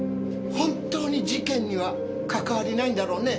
本当に事件には関わりないんだろうね？